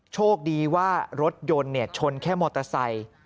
โชคดีว่ารถยนต์ชนแค่มอเตอร์ไซค์